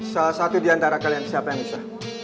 salah satu diantara kalian siapa yang bisa